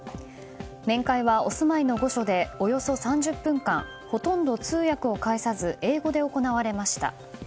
面会はお住まいの御所でおよそ３０分間ほとんど通訳を介さず英語で行われました。